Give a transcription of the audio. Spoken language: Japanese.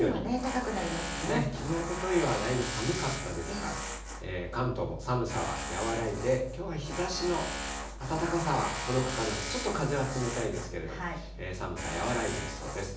きのう、おとといはだいぶ寒かったですから、関東も寒さは和らいで、きょうは日ざしの暖かさは届くかな、ちょっと風は冷たいですけれど、寒さ和らいできそうです。